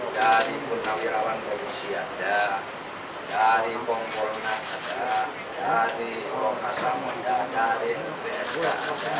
dari penawirawan polisi ada dari punggol nasabah dari punggol nasabah dari psb